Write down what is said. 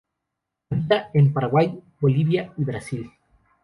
Habita en Paraguay, Bolivia y Brasil.